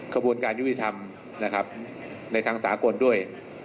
กระบวนการยุติธรรมนะครับในทางสากลด้วย